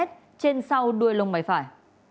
trên sau đuôi lồng máy phải